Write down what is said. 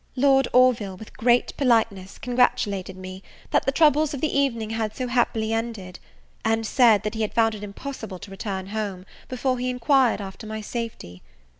Lord Orville, with great politeness, congratulated me, that the troubles of the evening had so happily ended; and said, that he had found it impossible to return home, before he enquired after my safety.